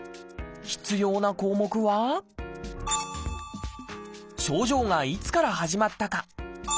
必要な項目は症状がいつから始まったか。